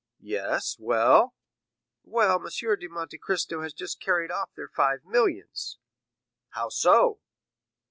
"Yes; well?" "Well, M. de Monte Cristo has just carried off their five millions." "How so?"